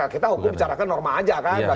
kita hukum bicarakan norma aja kan